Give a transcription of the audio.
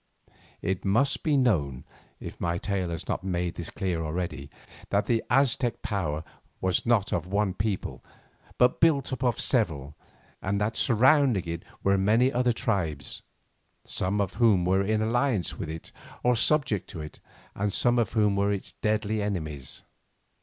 It must be known, if my tale has not made this clear already, that the Aztec power was not of one people, but built up of several, and that surrounding it were many other tribes, some of whom were in alliance with it or subject to it, and some of whom were its deadly enemies.